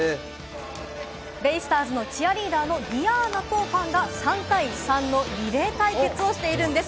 ベイスターズのチアリーダーのｄｉａｎａとファンが、３対３のリレー対決をしているんです。